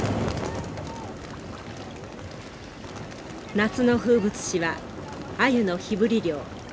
夏の風物詩はアユの火ぶり漁。